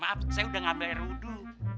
maaf saya udah ngambil air udu